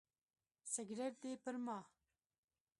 سګرټ دې پر ما.